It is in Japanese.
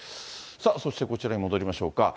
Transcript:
そしてこちらに戻りましょうか。